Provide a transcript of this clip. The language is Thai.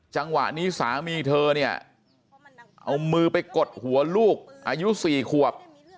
จังหวะนี้สามีเธอเนี่ยเอามือไปกดหัวลูกอายุ๔ขวบ